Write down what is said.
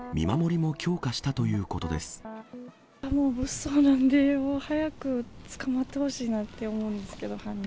もう物騒なので、もう早く捕まってほしいなって思うんですけど、犯人。